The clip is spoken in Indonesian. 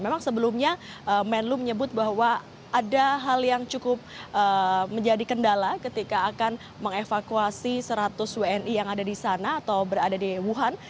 memang sebelumnya menlu menyebut bahwa ada hal yang cukup menjadi kendala ketika akan mengevakuasi seratus wni yang ada di sana atau berada di wuhan